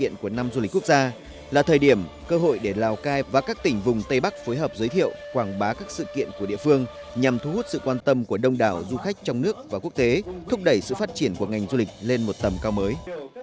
các điểm của năm du lịch quốc gia là thời điểm cơ hội để lào cai và các tỉnh vùng tây bắc phối hợp giới thiệu quảng bá các sự kiện của địa phương nhằm thu hút sự quan tâm của đông đảo du khách trong nước và quốc tế thúc đẩy sự phát triển của ngành du lịch lên một tầm cao mới